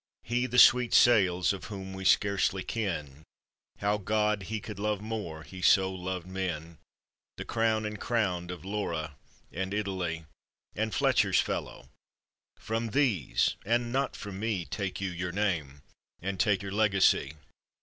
He the sweet Sales, of whom we scarcely ken How God he could love more, he so loved men; The crown and crowned of Laura and Italy; And Fletcher's fellow from these, and not from me, Take you your name, and take your legacy!